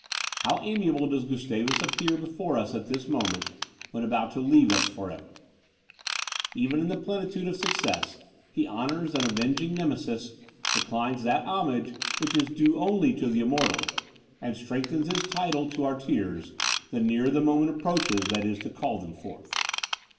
How amiable does Gustavus appear before us at this moment, when about to leave us for ever! Even in the plenitude of success, he honours an avenging Nemesis, declines that homage which is due only to the Immortal, and strengthens his title to our tears, the nearer the moment approaches that is to call them forth!